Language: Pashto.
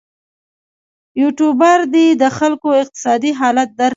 یوټوبر دې د خلکو اقتصادي حالت درک کړي.